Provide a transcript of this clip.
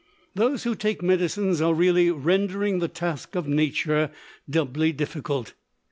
Those who take medicines are really rendering the task of Nature doubly difficult.